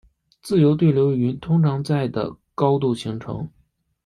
自由对流云通常在的高度形成。